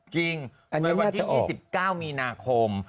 จริงถูกวางทิ้ง๒๙มีนาคม